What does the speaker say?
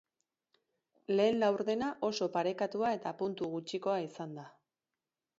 Lehen laurdena oso parekatua eta puntu gutxikoa izan da.